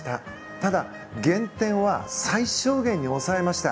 ただ、減点は最小限に抑えました。